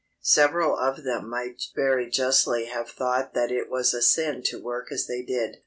Several of them might very justly have thought that it was a sin to work as they did.